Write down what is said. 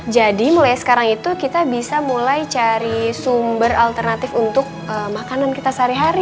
jadi mulai sekarang itu kita bisa mulai cari sumber alternatif untuk makanan kita sehari hari